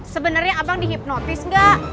sebenernya abang dihipnotis gak